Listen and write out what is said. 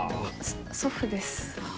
祖父です。